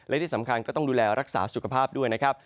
และที่สำคัญก็ต้องดูแลรักษาสุขภาพด้วยนะครับ